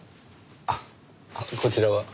あっこちらは？